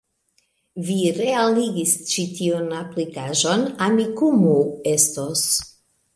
Vi realigis ĉi tiun aplikaĵon. Amikumu estos